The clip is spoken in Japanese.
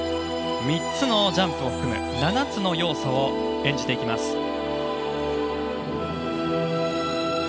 ３つのジャンプを含む７つの要素を演じます。